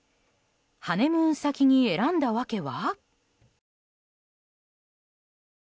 ハネムーン先に選んだ訳は？